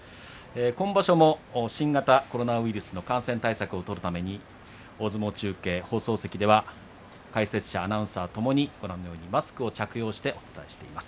今場所も新型コロナウイルスの感染対策を取るために大相撲中継、放送席では解説者、アナウンサーともにこのようにマスクを着用してお伝えします。